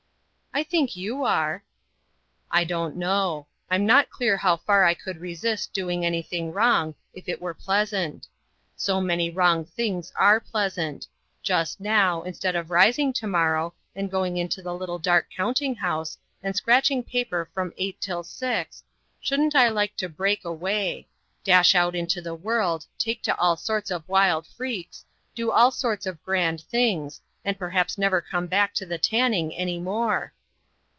"I think you are." "I don't know. I'm not clear how far I could resist doing anything wrong, if it were pleasant. So many wrong things are pleasant just now, instead of rising to morrow, and going into the little dark counting house, and scratching paper from eight till six, shouldn't I like to break away! dash out into the world, take to all sorts of wild freaks, do all sorts of grand things, and perhaps never come back to the tanning any more."